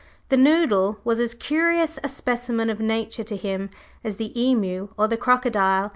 The Noodle was as curious a specimen of nature to him as the emu or the crocodile.